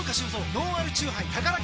ノンアルチューハイタカラ